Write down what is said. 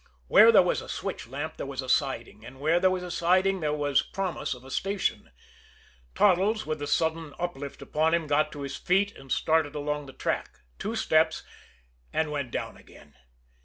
Where there was a switch lamp there was a siding, and where there was a siding there was promise of a station. Toddles, with the sudden uplift upon him, got to his feet and started along the track two steps and went down again.